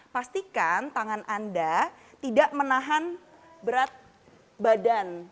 pastikan tangan anda tidak menahan berat badan